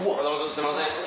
すいません。